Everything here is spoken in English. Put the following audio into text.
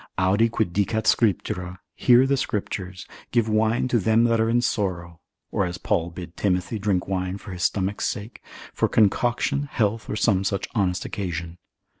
Audi quid dicat Scriptura, hear the Scriptures, Give wine to them that are in sorrow, or as Paul bid Timothy drink wine for his stomach's sake, for concoction, health, or some such honest occasion.